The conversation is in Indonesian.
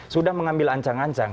sudah mengambil ancang ancang